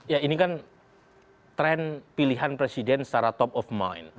ya ini kan tren pilihan presiden secara top of mind